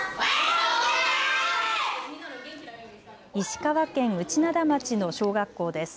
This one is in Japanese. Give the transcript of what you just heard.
石川県内灘町の小学校です。